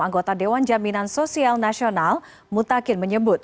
anggota dewan jaminan sosial nasional mutakin menyebut